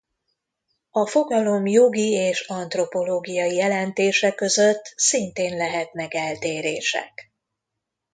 A fogalom jogi és antropológiai jelentése között szintén lehetnek eltérések.